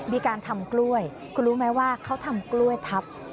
มีการทำกล้วยคุณรู้ไหมว่าเขาทำกล้วยทับ